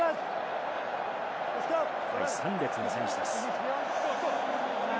第３列の選手です。